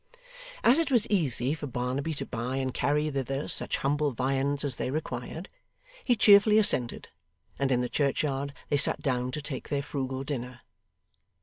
As it was easy for Barnaby to buy and carry thither such humble viands as they required, he cheerfully assented, and in the churchyard they sat down to take their frugal dinner.